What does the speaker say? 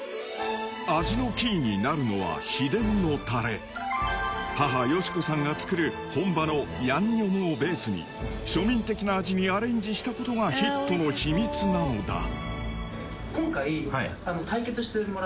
味のキーになるのは秘伝のタレ母・好子さんが作る本場のヤンニョムをベースに庶民的な味にアレンジした事がヒットの秘密なのだ今回。